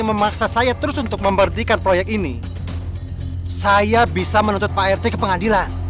memaksa saya terus untuk memberhentikan proyek ini saya bisa menuntut pak rt ke pengadilan